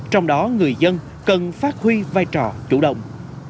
trong đó người dân cần phát huy vai trò chủ động